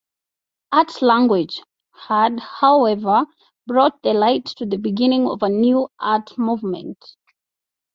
"Art-Language" had, however, brought to light the beginning of a new art movement.